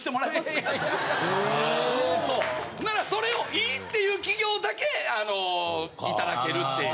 ならそれを良いっていう企業だけいただけるっていう。